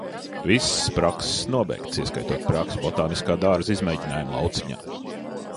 Visas prakses nobeigtas, ieskaitot praksi Botāniskā dārza izmēģinājuma lauciņā.